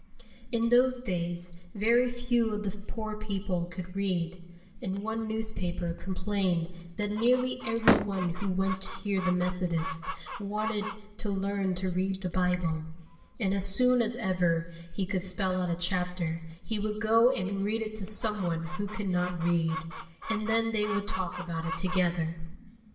In those days very few of the poor people could read, and one newspaper complained that nearly every one who went to hear the Methodists wanted to learn to read the Bible, and as soon as ever he could spell out a chapter he would go and read it to some one who could not read, and then they would talk about it together.